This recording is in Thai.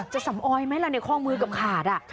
จะสำออยไหมล่ะในข้อมือกับขาดอ่ะ